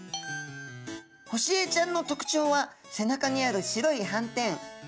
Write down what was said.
ホシエイちゃんの特徴は背中にある白い斑点。